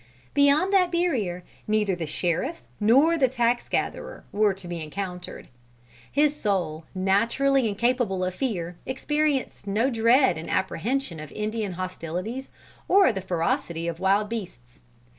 Beyond that barrier, neither the sheriff nor the tax gatherer were to be encountered. His soul, naturally incapable of fear, experienced no dread in apprehension of Indian hostilities, or the ferocity of wild beasts.